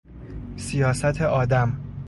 سیاست آدم